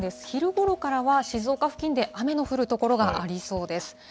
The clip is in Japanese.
昼ごろからは、静岡付近で雨の降る所がありそうです。